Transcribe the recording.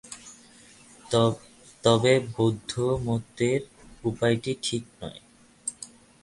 তবে বৌদ্ধমতের উপায়টি ঠিক নয়।